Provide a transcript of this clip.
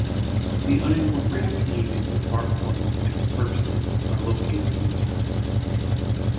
The unincorporated communities of Bark Point and Herbster are located in the town.